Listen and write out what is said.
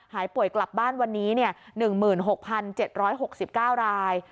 หายป่วยกลับบ้านวันนี้๑๖๗๖๙ราย